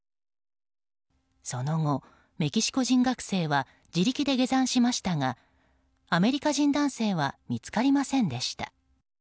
その後、メキシコ人学生は自力で下山しましたがアメリカ人男性は見つかりませんでした。